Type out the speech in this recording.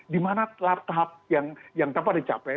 di mana telah tahap yang dapat dicapai